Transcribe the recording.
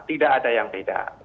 tidak ada yang beda